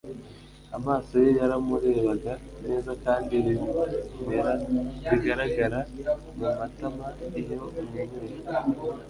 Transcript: amaso ye yaramurebaga neza kandi ibimera bigaragara mumatama iyo umwenyura